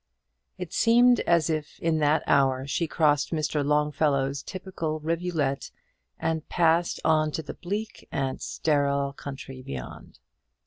It seemed as if in that hour she crossed Mr. Longfellow's typical rivulet and passed on to the bleak and sterile country beyond.